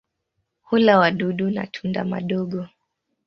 Hula wadudu na tunda madogo.